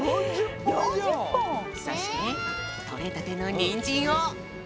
そしてとれたてのニンジンを。